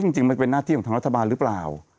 จริงมันเป็นหน้าที่ของทางรัฐบาลหรือเปล่า